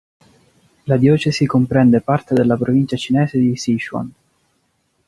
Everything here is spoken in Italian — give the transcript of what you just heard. La diocesi comprende parte della provincia cinese di Sichuan.